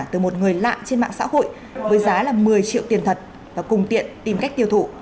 từ một người lạ trên mạng xã hội với giá một mươi triệu tiền thật và cùng tiện tìm cách tiêu thụ